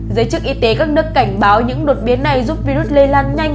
giới chức y tế các nước cảnh báo những đột biến này giúp virus lây lan nhanh